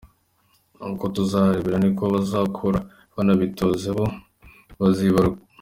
Uko tuzabarera niko bazakura banabitoze abo bazibaruka.